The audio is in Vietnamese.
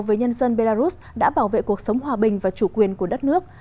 với nhân dân belarus đã bảo vệ cuộc sống hòa bình và chủ quyền của đất nước